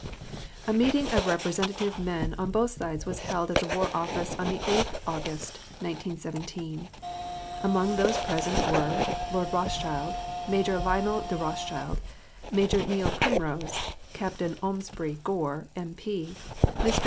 A meeting of representative men on both sides was held at the War Office on the 8th August, 1917. Among those present were: Lord Rothschild, Major Lionel de Rothschild, Major Neil Primrose, Captain Ormsby Gore, M.P., Mr.